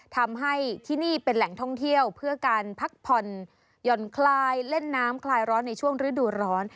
ทำให้ที่นี่เป็นแหล่งท่องเที่ยวเพื่อการพักผ่อนหย่อนคลายเล่นน้ำคลายร้อนในช่วงฤดูร้อน